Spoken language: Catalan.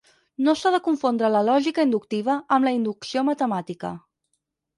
No s'ha de confondre la lògica inductiva amb la inducció matemàtica.